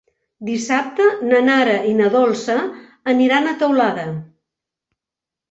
Dissabte na Nara i na Dolça aniran a Teulada.